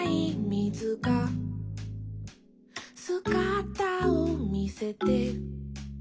「すがたをみせて」